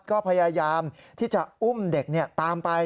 ก็พยายามที่จะอุ้มเด็กตามไป